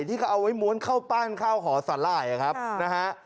ที่เขาเอาไว้ม้วนเข้าปั้นเข้าหอสาหร่ายครับนะฮะ